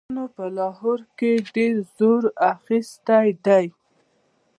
سیکهانو په لاهور کې ډېر زور اخیستی دی.